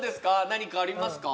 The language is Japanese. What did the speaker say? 何かありますか？